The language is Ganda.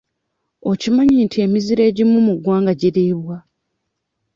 Okimanyi nti emiziro egimu mu ggwanga giriibwa?